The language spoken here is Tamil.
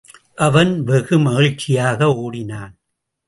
அவன் வெகு மகிழ்ச்சியாக ஓடினான்.